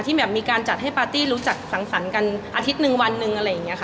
แบบมีการจัดให้ปาร์ตี้รู้จักสังสรรค์กันอาทิตย์หนึ่งวันหนึ่งอะไรอย่างนี้ค่ะ